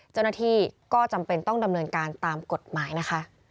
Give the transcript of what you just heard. เจ้าหน้าที่ก็จำเป็นต้องดำเนินการตามกฎหมายนะคะ